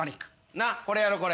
なっこれやろこれ。